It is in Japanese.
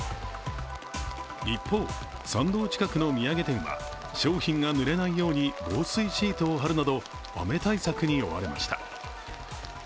一方、参道近くの土産店は商品がぬれないように防水シートを張るなど雨対策に追われました。